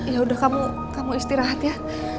yaudah kamu istirahat ya